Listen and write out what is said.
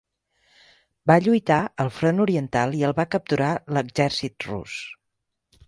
Va lluitar al front oriental i el va capturar l'exèrcit rus.